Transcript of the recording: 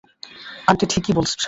Aunty ঠিকই বলেছে।